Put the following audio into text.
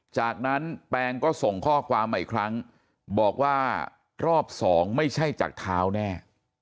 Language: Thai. จากนั้นแปงก็ส่งข้อความมาอีกครั้งบอกว่ารอบสองไม่ใช่จากเท้าแน่